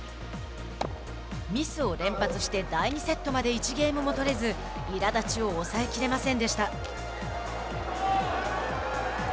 ミスを連発して第２セットまで１ゲームも取れずいらだちを抑えきれませんでした。